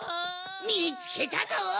みつけたぞ！